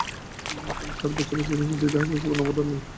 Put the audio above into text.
তিনি ষাট বছর বেঁচে ছিলেন কিন্তু ইতিহাসে তাঁর কোন অবদান নেই।